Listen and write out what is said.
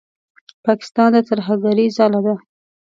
پاکستان د ترهګرۍ ځاله ده.